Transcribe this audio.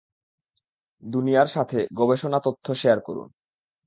দুনিয়ার সাথে গবেষণা তথ্য শেয়ার করুন।